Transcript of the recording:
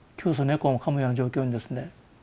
猫をかむような状況にですね。